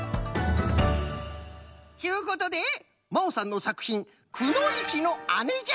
ちゅうことでまおさんのさくひん「くのいちの姉」じゃ。